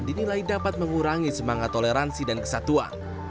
dinilai dapat mengurangi semangat toleransi dan kesatuan